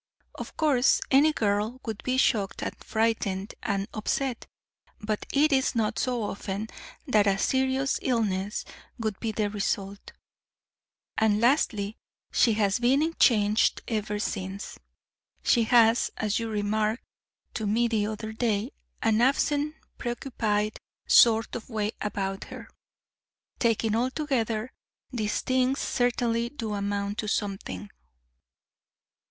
Of course, any girl would be shocked and frightened and upset, but it is not so often that a serious illness would be the result. And lastly, she has been changed ever since. She has, as you remarked to me the other day, an absent, preoccupied sort of way about her. Taken altogether, these things certainly do amount to something."